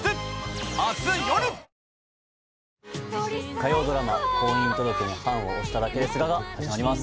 火曜ドラマ「婚姻届に判を捺しただけですが」が始まります